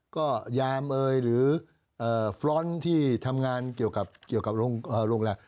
ก็ยามเอยหรือฟรอนด์ที่ทำงานเกี่ยวกับโรงแรม